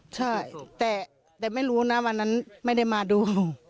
ใช่แต่ไม่รู้นะวันนั้นไม่ได้มาดู